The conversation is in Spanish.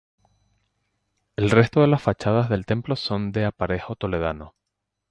El resto de las fachadas del templo son de aparejo toledano.